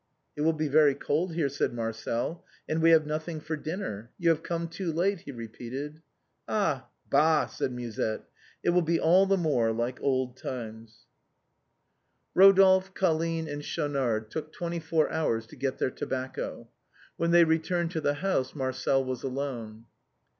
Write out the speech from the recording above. " It will be very cold here," said Marcel, "and we Ijave nothing for dinner. You have come too late," he re peated. " Ah ! bah !" said Musette ;" it will be all the more like old times." 274 THE BOHEMIANS OF THE LATIN QUARTER. Eodolphe, Colline, and Schaunard took twenty four hours to get their tobacco. When they returned to the house Marcel was alone.